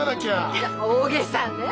いや大げさねえ！